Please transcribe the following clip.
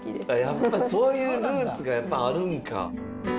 やっぱそういうルーツがやっぱあるんか。